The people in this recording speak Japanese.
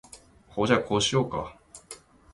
ほーじゃ、こうしようか？